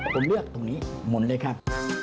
ผมเลือกตรงนี้หมดเลยครับ